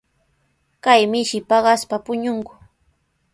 Kay mishi paqaspa puñunku.